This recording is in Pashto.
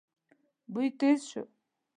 بوی تېز شو.